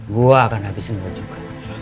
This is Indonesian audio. gua akan habisin lu juga